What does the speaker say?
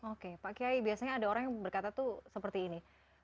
oke pak kiai biasanya ada orang yang berkata tuh seperti ini